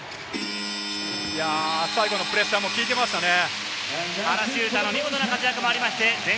最後のプレッシャーも効いていましたね。